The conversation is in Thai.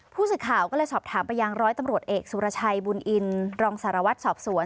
ผู้สื่อข่าวก็เลยสอบถามไปยังร้อยตำรวจเอกสุรชัยบุญอินรองสารวัตรสอบสวน